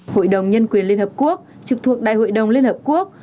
hội đồng nhân quyền liên hợp quốc trực thuộc đại hội đồng liên hợp quốc